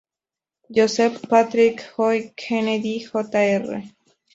Joseph Patrick "Joe" Kennedy, Jr.